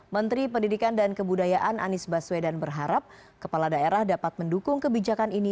menteri pendidikan dan kebudayaan anies baswedan berharap kepala daerah dapat mendukung kebijakan ini